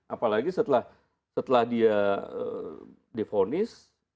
apalagi setelah dia difonis